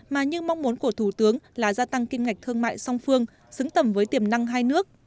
mà như mong muốn của thủ tướng là gia tăng kim ngạch thương mại song phương xứng tầm với tiềm năng hai nước